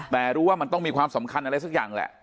แต่รู้ว่ามันต้องมีความสำคัญอะไรสักอย่างแหละ